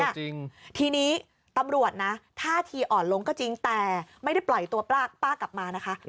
จริงทีนี้ตำรวจนะท่าทีอ่อนลงก็จริงแต่ไม่ได้ปล่อยตัวป้ากลับมานะคะ